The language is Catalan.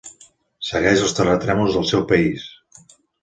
Segueix els terratrèmols del seu país.